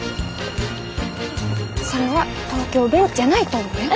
それは東京弁じゃないと思うよ。